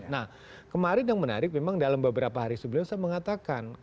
nah kemarin yang menarik memang dalam beberapa hari sebelumnya saya mengatakan